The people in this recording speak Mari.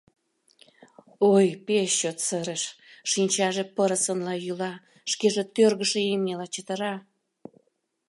Ой, пеш чот сырыш: шинчаже пырысынла йӱла, шкеже тӧргышӧ имньыла чытыра.